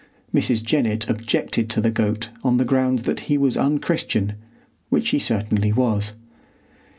Mrs. Jennett objected to the goat on the grounds that he was un Christian,—which he certainly was.